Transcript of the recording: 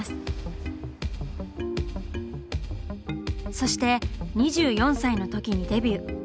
そして２４歳の時にデビュー。